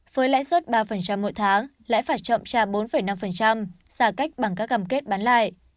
với lãi suất ba mỗi tháng lãi phạt chậm trả bốn năm giả cách bằng các cảm kết bán lại